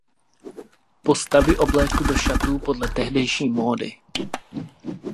Postavy oblékl do šatů podle tehdejší módy.